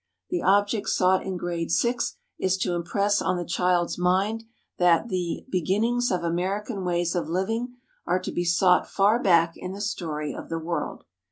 The object sought in grade six is to impress on the child's mind that "the beginnings of American ways of living are to be sought far back in the story of the world."